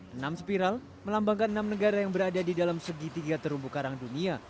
enam spiral melambangkan enam negara yang berada di dalam segitiga terumbu karang dunia